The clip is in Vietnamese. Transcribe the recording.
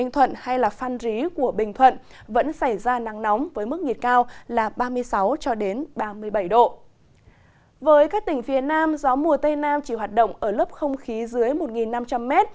trên nam gió mùa tây nam chỉ hoạt động ở lớp không khí dưới một năm trăm linh m